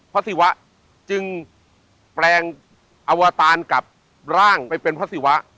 ศิวะจึงแปลงอวตารกับร่างไปเป็นพระศิวะ